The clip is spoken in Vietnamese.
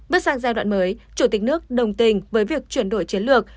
bước sang giai đoạn mới chủ tịch nước đồng tình với việc chuyển đổi chiến lược